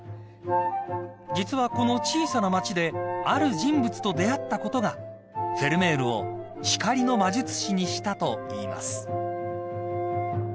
［実はこの小さな町である人物と出会ったことがフェルメールを光の魔術師にしたといいます］